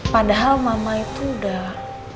padahal mama itu udah